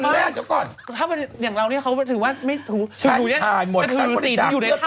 เลือด